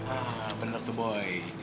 ah bener tuh boi